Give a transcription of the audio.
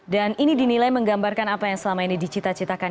dan ini dinilai menggambarkan apa yang selama ini dicita citakan